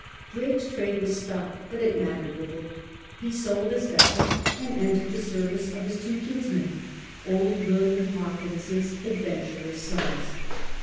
Drake's trade was stopped, but it mattered little. He sold his vessel and entered the service of his two kinsmen, old William Hawkins's adventurous sons.